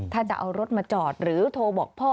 ถ้าจะเอารถมาจอดหรือโทรบอกพ่อ